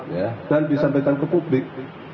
ya dan disampaikan ke publik